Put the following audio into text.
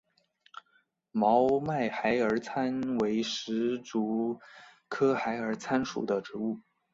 毛脉孩儿参为石竹科孩儿参属的植物。